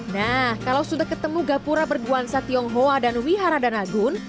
nah kalau sudah ketemu gapura berguansa tionghoa dan wihara danagun